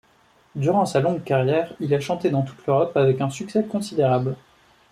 Durant sa longue carrière, il a chanté dans toute l'Europe avec un succès considérable.